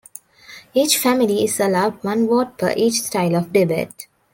Each family is allowed one vote per each style of debate.